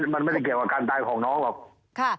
มันไม่ได้เกี่ยวกับการตายของน้องหรอก